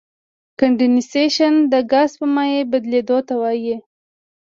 کنډېنسیشن د ګاز په مایع بدلیدو ته وایي.